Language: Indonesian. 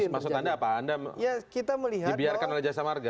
maksud anda apa anda dibiarkan oleh jasa marga